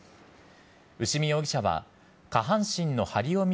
牛見容疑者は、下半身の張りをみ